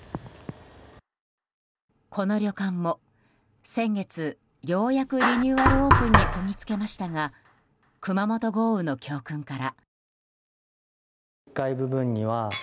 この旅館も先月、ようやくリニューアルオープンにこぎつけましたが熊本豪雨の教訓から。